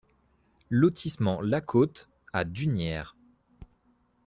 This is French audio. Lotissement La Côte à Dunières